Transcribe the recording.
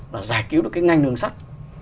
là giải cứu được cái ngành nướng sắt